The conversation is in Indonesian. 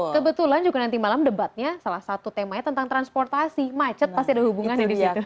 kebetulan juga nanti malam debatnya salah satu temanya tentang transportasi macet pasti ada hubungannya di situ